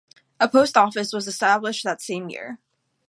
A post office was established that same year.